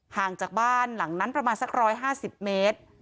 ห่างจากบ้านหลังนั้นประมาณสัก๑๕๐เมตร